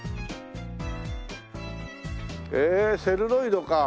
へえセルロイドか。